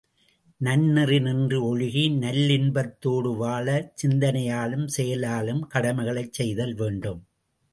நன்நெறி நின்று ஒழுகி நல்லின்பத்தோடு வாழச் சிந்தனையாலும், செயலாலும் கடமைகளைச் செய்தல் வேண்டும்.